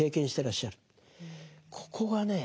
ここがね